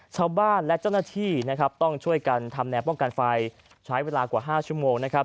ชาวบ้านและเจ้าหน้าที่นะครับต้องช่วยกันทำแนวป้องกันไฟใช้เวลากว่า๕ชั่วโมงนะครับ